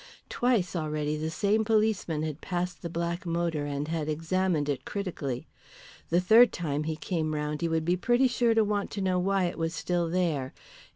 Twice already the same policeman had passed the black motor, and had examined it critically. The third time he came round he would be pretty sure to want to know why it was still there.